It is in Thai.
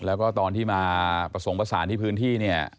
แล้วก็ตอนที่มาประสงค์ประสานที่พื้นที่เนี่ย